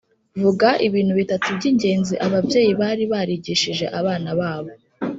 Vuga ibintu bitatu by’ingenzi ababyeyi bari barigishije abana babo?